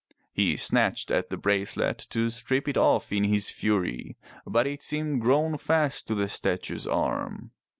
He snatched at the bracelet to strip it off in his fury, but it seemed grown fast to the statue's arm.